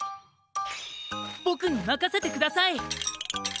ぼくにまかせてください！